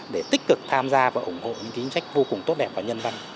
để tích cực tham gia và ủng hộ những chính sách vô cùng tốt đẹp và nhân văn